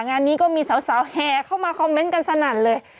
งานนี้ก็มีสาวแห่เข้ามาคอมเมนต์กันสนั่นเลย